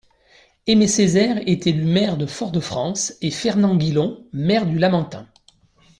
Aimé Césaire est élu maire de Fort-de-France et Fernand Guilon, maire du Lamentin.